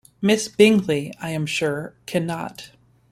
Miss Bingley, I am sure, cannot.